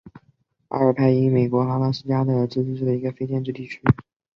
阿尔派因是位于美国阿拉斯加州北坡自治市镇的一个非建制地区。